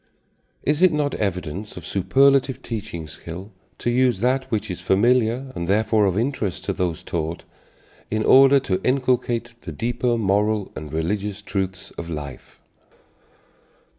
Is it not evidence of superlative teaching skill to use that which is familiar and, therefore, of interest to those taught, in order to inculcate the deeper moral and religious truths of life?